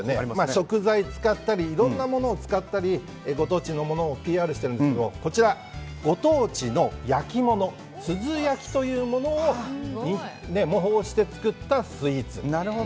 食材使ったりいろいろなものを使ったりしてご当地のものをＰＲしてるんですけどこちらご当地の焼き物珠洲焼というものを模倣して作ったスイーツ。